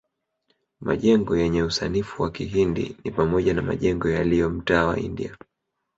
Majengo yenye usanifu wa kihindi ni pamoja na majengo yaliyo mtaa wa India